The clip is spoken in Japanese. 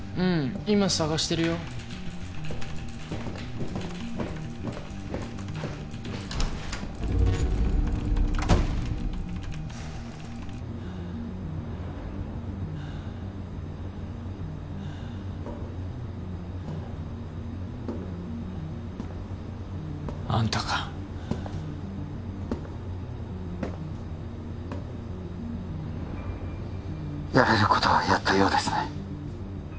今捜してるよあんたかやれることはやったようですね